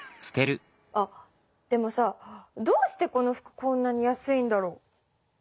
あっでもさどうしてこの服こんなに安いんだろ？